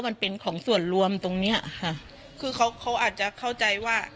มันเป็นของส่วนรวมตรงเนี้ยค่ะคือเขาเขาอาจจะเข้าใจว่า